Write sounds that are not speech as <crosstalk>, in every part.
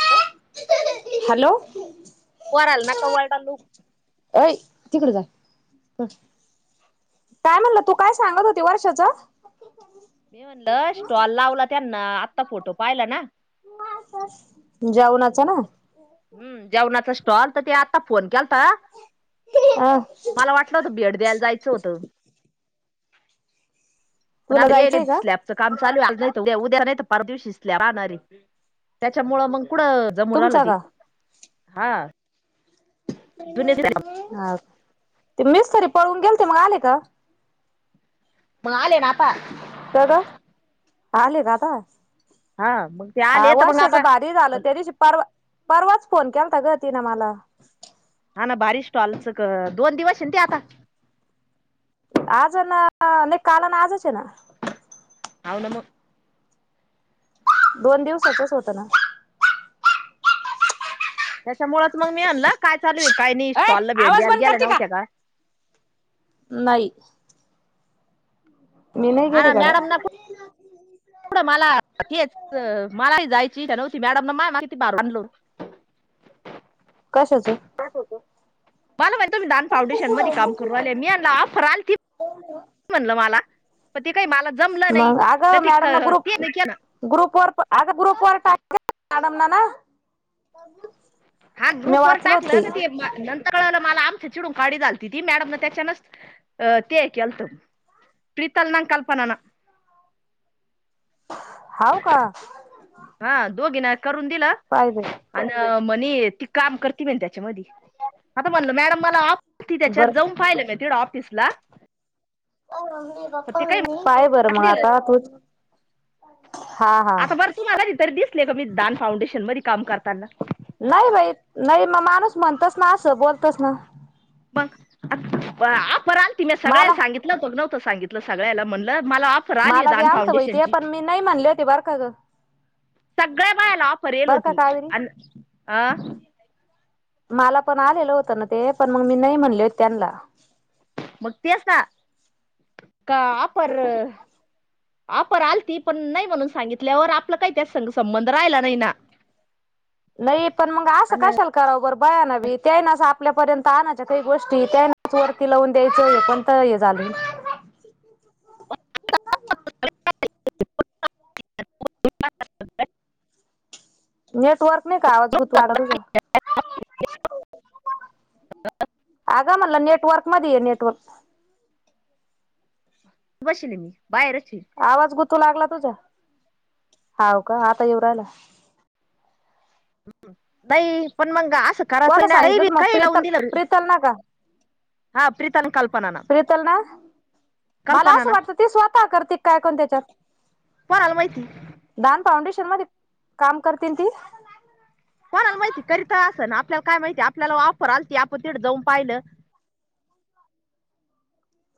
Hello! Hello! पोराला नका वरडालू. अय तिकडे जा. काय म्हणला तू काय सांगत होती वर्षाच? मी म्हणलं स्टॉल लावला त्यांना आत्ता फोटो पाहिला ना. जेवनाच ना? हम्म जेवणाच स्टॉल तर ते आत्ता फोन केलता, अंव मला वाटलं होत भेट द्यायला जायचं होतं. पन तुला आपल्याला जायचंय यायलेत का स्ल्याप, च काम चालूय आज नाही उद्या उद्या नाही तर परवादिवशी स्ल्याप राहणार रे, त्याच्यामुळ मग कुठं जमु तुमचा राहील ती, का हा. जुने हा, ते मिस्तरी पळून गेलते मग आले का? मग आले ना आता. तर आले का आता. हा मग ते हा आले तर मग वर्षाच आता भारी झालं त्यादिवशी परवा, परवाच फोन केलता ग तीनं मला. हा ना भारी स्टाॅलच ग, दोन दिवस आहे ना ते आता? आज नं, नाही काल आणि आजच आहे ना. हाव ना मग. दोन दिवसातच होतं ना. त्याच्यामुळच मग मी म्हणलं, काय चालू आहे काही नाही अय स्टॉलला भेट आवाज द्यायला बंद गेल्या करते नव्हत्या का? नाही. मी नाही गेले गड्या. एवढं मला हेच, मलाही जायची इच्छा नव्हती मॅडम ना माय माग त बांर <unintelligible> आणलं होतं. <inaudible> कशाचं? कशाच? माल म्हणे तुम्ही दान फाउंडेशन मध्ये काम करू रायले, मी यानला ऑफर आलती <inaudible> म्हणलं मला पण ते काही मला जमलं नाही मग अगं ते मॅडम ना ग्रुप ना ग्रुप वर अगं ग्रुप वर टाकलं मॅडम न ना हा मी ग्रुप वर वाचल होते टाकलं तर ते नंत कळलं मला आमच चिडून काढी झालत ती मॅडम न त्याच्यानच अ ते केलत. प्रीतल ना कल्पना ना. हाव का? हा, दोघीना करून दिलं. पाहिय बाय अन, म्हणी ती काम करती मनें त्याच्या मधी आता म्हणल मॅडम मला ऑफ होती त्याच्यात बर जाऊन पाहिलं मी तिकड ऑफिसला. पण ते काही <inaudible> पाहय बरं मग म्हटलेलं आता तूच. हां हां आता बर तू मला तरी दिसले ग? मी दान फाउंडेशन मध्ये काम करताना. नाही बाई, नाही ना माणूस म्हणतस ना असं बोलतस ना. मग, अ ऑफर आलती मी सगळ्यां मला सांगितल <inaudible> का नव्हतं सांगितलं सगळ्याला म्हणलं मला ऑफ मला बी आलत बाई ते, पण मी नाही म्हनले होते बर का गं. सगळ्या बायाला ऑफर येयेल बरं का होती, कावेरी अन अ मला पण आलेलं होतं ना ते पण मग मी नाही म्हणले होते त्यांनला मग तेच ना, का ऑफर. ऑफर आलती, पण नाही म्हणून सांगितल्यावर आपला काही त्याच संग संबंध राहिला नाही ना. नाही पण मग असं आणि कशाल कराव बर बायानी बी त्यानंच आपल्यापर्यंत आणायच्या काही गोष्टी त्यांनंच वरती लावून द्यायचं हे पण त हे झालय <inaudible> नेटवर्क नाही का आवाज गुतु राहिला तुझा अगं, म्हणल नेटवर्क मध्ये ये, नेटवर्क. बसेलंय मी, बाहेरच ये आवाज गुथू लागला तुझा. हाव का आता येऊ राहीला नाही पण मंग असं करायचं ही नाय, काय बी काही लावून दिलं त्यांना ना का? हां, प्रीता अनं कल्पना नं प्रीतल ना मला असं वाटतं ती स्वतः करती काय कोण त्याच्यात. सराला माहिती <unintelligible> दान फाउंडेशन मध्ये काम करते ना ती. कोणाला माहिती करीता असं ना आपल्याला काय माहिती आपल्याला ऑफर आलती आपण तिडं जाऊन पाहिलं.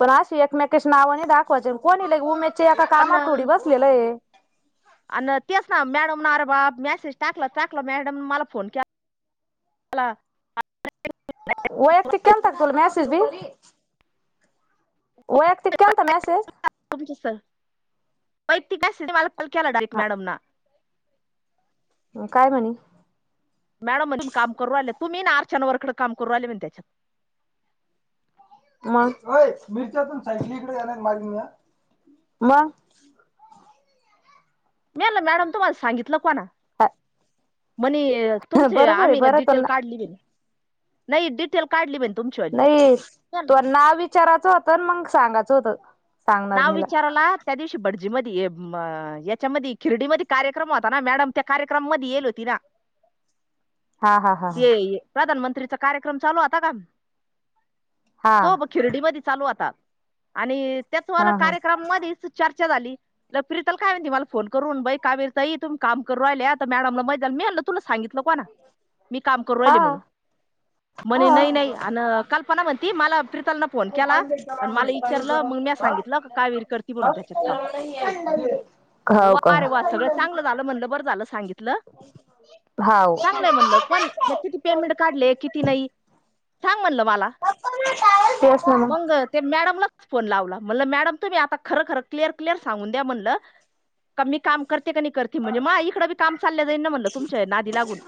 पण अशी एकमेकशी नाव नाही दाखवायचे कोणी लय उमेदच्या एका कामावर थोडी बसलेल हे. अन तेच ना मॅडम अरे बा मेसेज टाकलं टाकलं मॅडम मला फोन केला. खला <inaudible> वैयक्तिक केलता का तुला मेसेज भी. वैयक्तिक केलता मेसेज. तुमच वैक्िकय अस कॉल केला डायरेक्ट हा मॅडम <inaudible> <unintelligible> मॅडम म्हण काम करू आले तू मी ना अर्चना वर्क र कडे काम करून आले मग त्याच्यात. मग होय मिरच्यातून जाणार आहे मग. मी म्हणल मॅडम तुम्हाला सांगितलं कोणा. आ <unintelligible> म्हणे तुमची आम्ही ना डिटेल काढली, नाही डिटेल काढली बाई तुमचं. नाही तोवा नाव विचारायचं होतं मग सांगायचं होत. नाव विचारलात. त्या दिवशी भटजी मध्ये याच्यामध्ये खिरडीमध्ये कार्यक्रम होता ना मॅडम त्या कार्यक्रम मध्ये यईल होती ना. <unintelligible> हा हा हा ते ते प्रधानमंत्रीचा कार्यक्रम चालू आता का हा हा तो खिरडीमध्ये चालू होता आणि त्याच वा हा कार्यक्रममधी चर्चा झाली. प्रीतल काय म्हणती मला फोन करून बाई कावेरी ताई तुम्ही काम करू राहिल्या मॅडमला माहित झालं मीम्हणलं. तुला सांगितलं कोण मी काम करू राहिले हा म्हणून हा म्हणे नाही नाही आणं का मला म्हणती मला प्रितलनं फोन केला आणं मला विचारलं मंग म्या सगितंल कावेरी करती म्हणून त्याच्यात काम हा तर हाव का वा रे वा झालं म्हटलं बर झालं सांगितंल. कुठलं हाव चांगलंय म्हणलं कोण किती पेमेंट काढले किती नाही सांग म्हणलं मला तेच ना मग मंग मॅडमलाच फोन लावला. म्हणलं मॅडम तुम्ही आता खरं खरं क्लिअर क्लिअर सागून द्या म्हणलं का मी काम करते की नाही करते. की म्हणजे मा इकड बी काम चाललं जाईन ना म्हणलं तुमच्या नादी लागून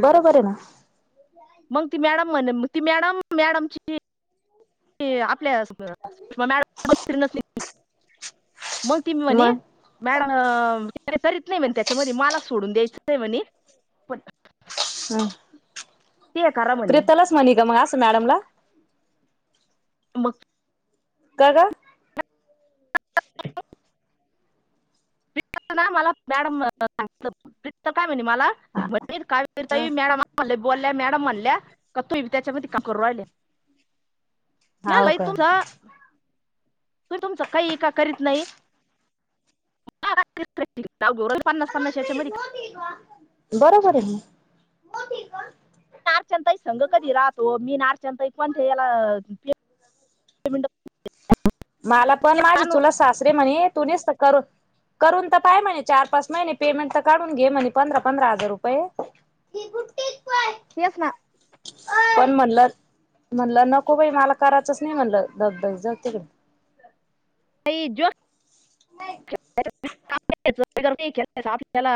बरोबर आहे ना मग ती मॅडम म्हणे ती मॅडम मॅडमची आपल्या मॅडम <inaudible> मग ती मी म्हणे मग मॅडम तकरीत नाही म्हणे त्याच्यामध्ये मला सोडून द्यायचं नाही म्हणे. पण ह् ते करा म्हणे प्रितालच म्हणे का मग असं मॅडमला? मग.. का गं? <unintelligible> मला मॅडमांग काय म्हणे मला म्हणं कावेरी ह ताई मॅडम <unintelligible> म्हणले बोलल्या मॅडम म्हणल्या का तुम्ही त्याच्यामध्ये काम करू राहिल्या. म्या हाव लई का? तूझं मी तुमच काही एका करीत नाही. पन्नास पन्नासच्यामध्ये बरोबर आहं मग. अर्चनाताई संघ कधी राहतो मी आणं अर्चनाताई पण याला मिनिटं मला पण माझे आणू चुलत सासरे म्हणे तु निसतं करून करून तर पाहं म्हणे, चार पाच महिने पेमेंट तर काढून घे म्हणे पंधरा पंधरा हजार रुपये. <unintelligible> तेच ना. पण म्हणलं म्हणलं, नको बाई मला करायचंच नाही म्हणलं दगदग जा तिकडं <unintelligible> हप्ताला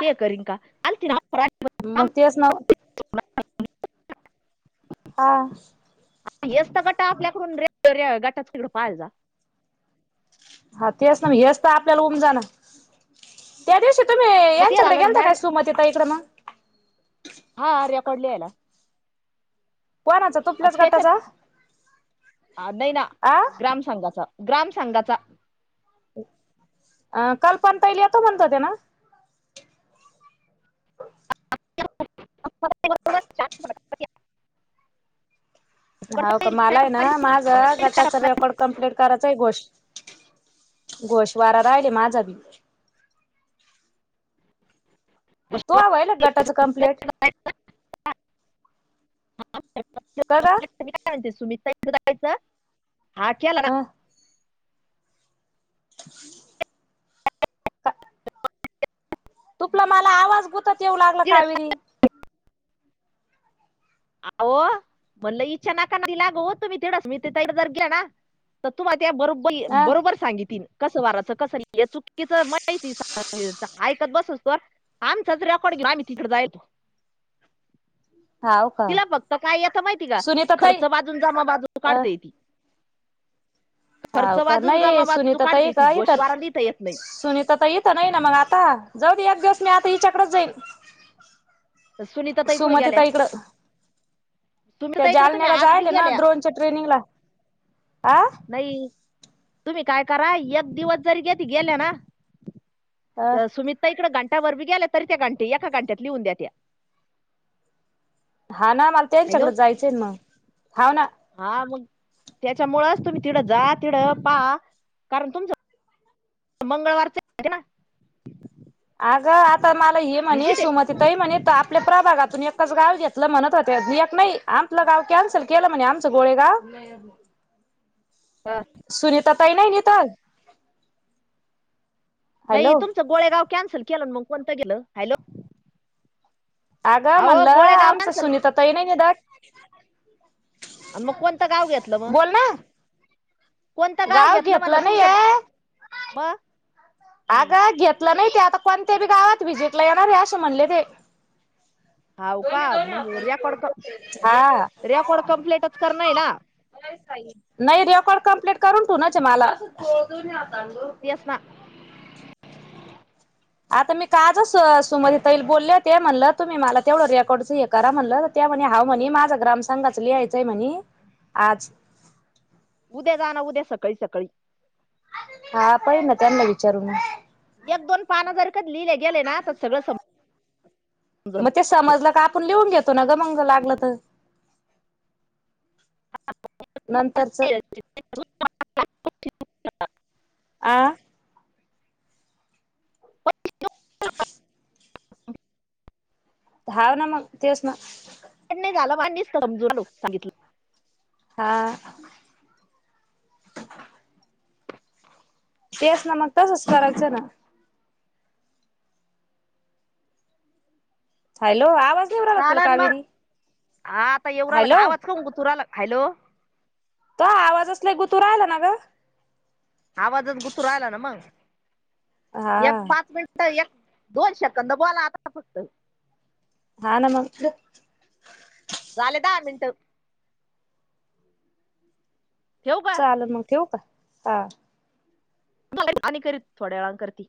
ते करीनं का आणखीन हप <inaudible> मग तेच ना हा येच तर गट गटाकरून आपल्याकडून रे गटाच तिकडे पाहाय जा. हा तेच ना म हेच तर आपल्याला ऊमजना. त्या दिवशी तुम्ही मग ते यांच्याकडे झालं ना गेलता काय मॅडम सुमतीताई कड. हा रेकॉर्ड लिहाला. कोणाचं? त्याच्यात नाही ना, आ ग्राम संघाचा ग्राम संघाचा. अ काल पण ताईली येतो म्हणत होत्या ना? <inaudible> हो का मला आहे ना माझं गटाच रेकॉर्ड कम्प्लीट करायचं गोष घोष वारा राहिले माझा बी. तो व्हायल गटाचं कम्प्लेट <inaudible> का ग? मी काय म्हणते सुमित ताई कडे जायचं हा के्याला ना? <inaudible> का तुपला मला आवाज गुपत येऊ लागला तिकडं कावेरी. अहो म्हणलं इच्छा नाका नादी लागु तुम्ही ति रश्मीताई तेथ जर गेला तर तूम्हाला त्या बरोबर अ बरोबर सांगितीन. कसं वाराच कसं लिहाच चुकीच माहिती ऐकत बसस तोवर आमचच रेकॉड घेऊन आम्ही तिकडे जाय तो. हाव का तिला फक्त काय येत माहितीये का सुनीता ताई खर्च बाजू न जमा बाजू अ काढतेय ती. हाव खर्च का, वाजून नाही ये जमा बाजू सुनीता ताई काढते ती कात तर गोशवारा लिहिता येत नाही सुनीता ताई नाही ना मग आता, जाऊ दे एक दिवस मी आता हिच्याकडेच जाईन. तर सुनीता ताई कुठे सुमती गेल्या ताई कडं. त्या सुनीता इकडे तुम्ही जालन्याला आज बी जायल ना गेल्या ड्रोनच्या ट्रेनिंगला आ नाही. तुम्ही काय करा एक दिवस जरी कधी गेल्या ना अ तर ताई कडे गंटा भर भी गेल्या तरी त्या गटी एका घट्यात लीउन देत्यात. हा ना मला हॅलो त्यांच्याकडे जायचंय ना मग हाव ना. हा मग त्यांच्यामुळे तुम्ही तिकडं जा तिड पा कारण तुमच मंगळवारच अगं आता मला हे म्हणे व्हिजिट सुमती ताई म्हणते आपल्या प्रभागातून एकच गाव घेतलं म्हणत होती एक नाही आपलं गाव कॅन्सल केलं म्हणे आमचं गोळे गाव हा. सुनीता ताई नाही तिथं? नाही, हॅलो तुमचं गोळेगाव कॅन्सल केलं मग कोणतं गेलं? हॅलो. आग, अहो म्हणलं गोळेगाव आमचं कॅन्सल सुनीता ताई नाही निघत. आणि मग कोणतं गाव घेतलं मग बोल ना. कोणतं गाव म्हणलं घेतलं नाही तुमच्या ग- ये. मग आग घेतलं नाही. ते आता कोणत्या बी गावात विजिटला येणार आहे असे म्हणले ते. हाव का मग रेकॉर्ड क हा रेकॉर्ड कम्प्लेटच करन हे ना? नाही रेकॉर्ड कंप्लीट करून ठिवणच आहे मला. तेच ना. आता मी काजचा सुमन ताईला बोलले होते ते म्हणलं तुम्ही मला तेवढं रेकॉर्डच हे करा म्हणलं. त्या म्हणे हाव म्हणे माझा ग्रामसघाच लिहायचं आहे म्हणे आज. उद्या जा ना उद्या सकाळी सकाळी. हा पाहिन ना त्यांना विचारून. एक दोन पान जरी का लिहिले गेले ना तर सगळं संप म ते समजलं का आपण लिहून घेतो ना ग मंग लागलं तर. नंतर. <inaudible> आ. <inaudible> हाव ना मग तेच ना. नाही झालं, मग निस्त समजून आलो सांगितलं. हा. तेच ना मग तसंच करायचं ना. हॅलो आवाज नाही येऊ राहिला का तुला चालन मग, कावेरी हा आता येवू रायला का हॅलो आवाज खूप गुतू राहीला. हॅलो. तुहा आवाजच लई गुतू राहिला ना गं? आवाजच गुतू राहिला ना मग हा एक पाच मिन पाहिया दोन शेकंद बोला आता फक्त. झालं मंग थ? झाले दहा मिनट. ठेवू का? चालंण मग ठेवू का? हां. झालं की अलीकडं? थोड्या वेळांन करती.